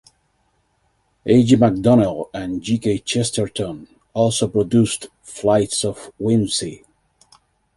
A. G. Macdonell and G. K. Chesterton also produced flights of whimsy.